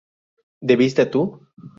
¿bebiste tú?